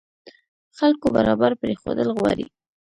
خلکو برابر پرېښودل غواړي.